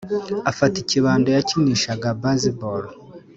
afata ikibando yakinishaga baseball